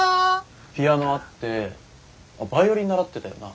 ピアノあってあっバイオリン習ってたよな？